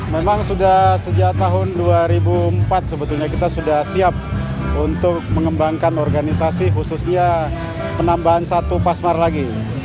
memang sudah sejak tahun dua ribu empat sebetulnya kita sudah siap untuk mengembangkan organisasi khususnya penambahan satu pasmar lagi